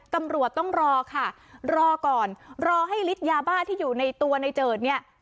ตำรวจต้องรอค่ะรอก่อนรอให้ฤทธิ์ยาบ้าที่อยู่ในตัวในเจิดเนี่ย